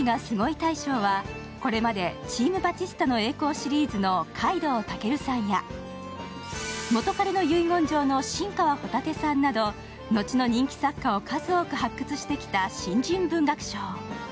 大賞は、これまで「チーム・バチスタの栄光」シリーズの海堂尊さんや「元彼の遺言状」の新川帆立さんなど後の人気作家を数多く発掘してきた新人文学賞。